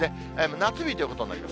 夏日ということになります。